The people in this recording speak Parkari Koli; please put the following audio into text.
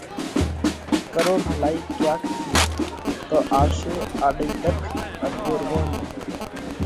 ڪرو ڀلائِي ڪياڪ ٿِي، تو آوشي آڏئِي ۮک ان ۮورووڻ ۾!